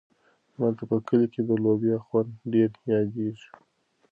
ما ته په کلي کې د لوبیا خوند ډېر یادېږي.